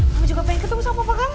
kamu juga pengen ketemu sama papa kamu